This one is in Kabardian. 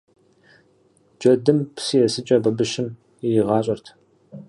Джэдым псы есыкӀэ бабыщым иригъащӀэрт.